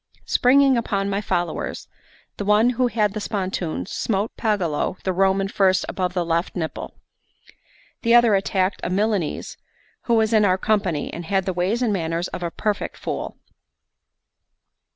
Springing upon my followers, the one who had the spontoon smote Pagolo the Roman first above the left nipple. The other attacked a Milanese who was in our company, and had the ways and manners of a perfect fool.